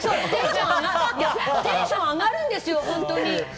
テンション上がるんですよ。